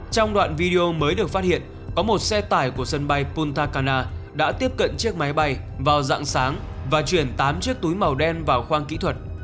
trong đoạn video mới được phát hiện có một xe tải của sân bay pul tana đã tiếp cận chiếc máy bay vào dạng sáng và chuyển tám chiếc túi màu đen vào khoang kỹ thuật